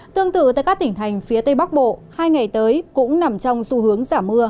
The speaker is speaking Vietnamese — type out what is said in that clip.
tương tự tại các tỉnh thành phía tây bắc bộ hai ngày tới cũng nằm trong xu hướng giảm mưa